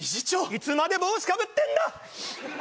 いつまで帽子かぶってんだ！